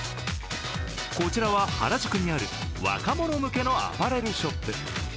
こちらは原宿にある若者向けのアパレルショップ。